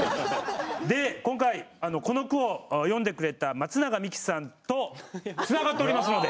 で今回この句を詠んでくれたまつながみきさんとつながっておりますので。